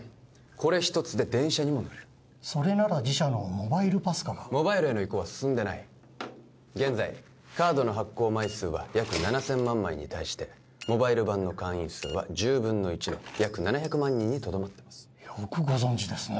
これ一つで電車にも乗れるそれなら自社のモバイルＰＡＳＣＡがモバイルへの移行は進んでない現在カードの発行枚数は約７０００万枚に対してモバイル版の会員数は１０分の１の約７００万人にとどまってますよくご存じですね